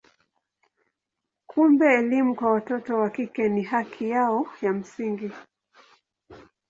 Kumbe elimu kwa watoto wa kike ni haki yao ya msingi.